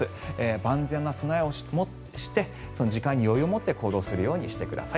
万全な備えをして時間に余裕を持って行動するようにしてください。